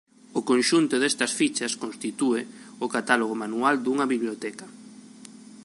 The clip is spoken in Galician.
O conxunto destas fichas constitúe o catálogo manual dunha biblioteca.